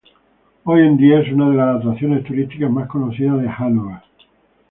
Hoy en día es una de las atracciones turísticas más conocidas de Hanóver.